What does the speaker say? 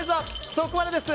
そこまでです。